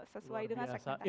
sesuai dengan segmentasi